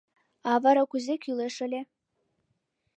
— А вара кузе кӱлеш ыле?